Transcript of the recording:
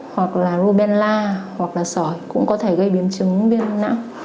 hoặc là rubella hoặc là sỏi cũng có thể gây biến chứng viêm não